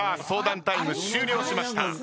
相談タイム終了しました。